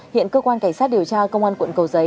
hiện cơ quan cảnh sát điều tra công an quận cầu giấy